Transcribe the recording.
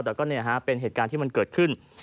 แต่ก็เนี่ยฮะเป็นเหตุการณ์ที่มันเกิดขึ้น